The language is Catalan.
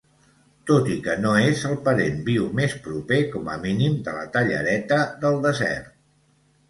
Tot i que no és el parent viu més proper com a mínim de la tallareta del desert.